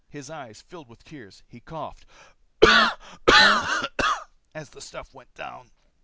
His eyes filled with tears. He coughed as the stuff went down.